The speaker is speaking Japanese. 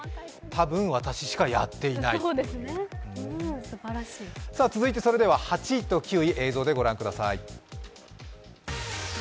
たぶん、私しかやっていないという続いてそれでは８位と９位映像で御覧ください。